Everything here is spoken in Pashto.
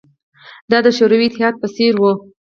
دا د شوروي اتحاد په څېر وه